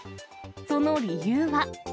その理由は。